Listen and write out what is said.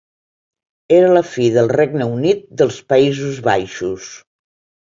Era la fi del Regne Unit dels Països Baixos.